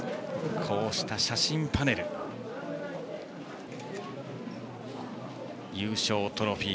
こうした写真パネル優勝トロフィー。